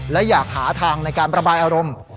และอยากหาทางในการประบายอารมณ์